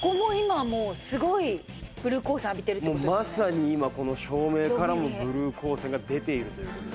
もうまさに今照明からもブルー光線が出ているという。